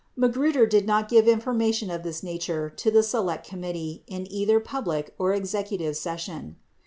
1 (Magruder did not give information of this nature to the Select Com mittee in either public or executive session.)